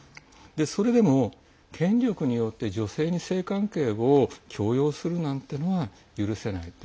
それでも権力によって女性に性関係を強要するなんていうのは許せない。